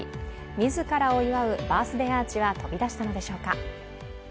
自らを祝うバーデーアーチは飛び出したのでしょうか。